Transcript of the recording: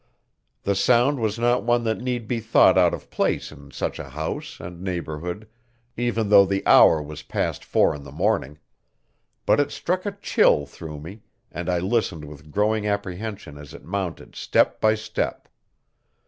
The sound was not one that need be thought out of place in such a house and neighborhood even though the hour was past four in the morning. But it struck a chill through me, and I listened with growing apprehension as it mounted step by step.